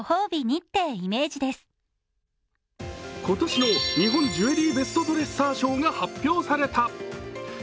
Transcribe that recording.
今年の日本ジュエリーベストドレッサー賞が発表された。